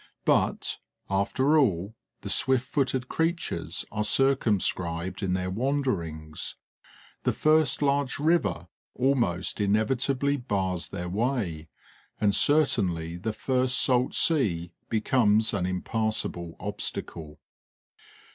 But, after all, the swift footed creatures are circumscribed in their wanderings. The first large river almost inevitably bars their way, and certainly the first salt sea becomes an impassable obstacle.